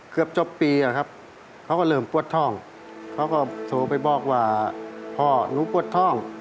เขาก็โทรไปบอกว่าพ่อหนูปวดท่อง